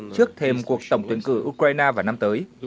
trước thêm cuộc tổng tuyển cử ukraine vào năm tới